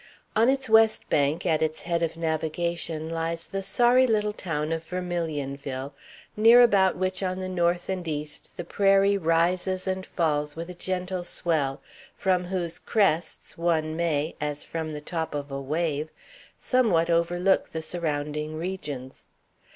On its west bank, at its head of navigation, lies the sorry little town of Vermilionville, near about which on the north and east the prairie rises and falls with a gentle swell, from whose crests one may, as from the top of a wave, somewhat overlook the surrounding regions.